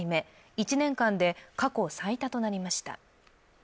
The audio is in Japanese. １年間で過去最多となりました。